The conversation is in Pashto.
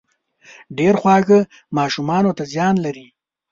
ډېر خواږه ماشومانو ته زيان لري